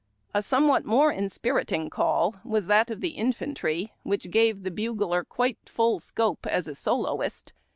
A somewhat more inspiriting call was that of the infantry, which gave the bugler quite full scope as a soloist.